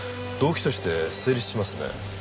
動機として成立しますね。